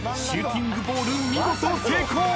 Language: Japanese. シューティングボール見事成功！］